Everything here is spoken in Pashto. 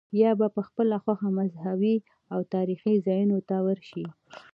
یا په خپله خوښه مذهبي او تاریخي ځایونو ته ورشې.